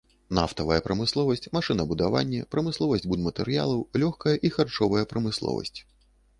Нафтавая прамысловасць, машынабудаванне, прамысловасць будматэрыялаў, лёгкая і харчовая прамысловасць.